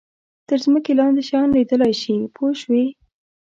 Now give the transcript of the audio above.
تر ځمکې لاندې شیان لیدلای شي پوه شوې!.